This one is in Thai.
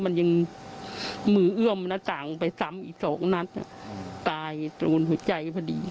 มันยังมือเอื้อมหน้าต่างไปซ้ำอีกสองนัดตายตรงหัวใจพอดี